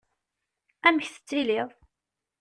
Amek tettiliḍ?